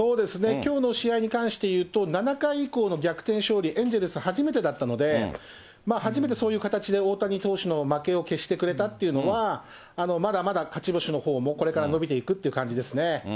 きょうの試合に関して言うと、７回以降の逆転勝利、エンゼルス初めてだったので、初めてそういう形で大谷投手の負けを消してくれたっていうのは、まだまだ勝ち星のほうもこれから伸びていくって感じですね。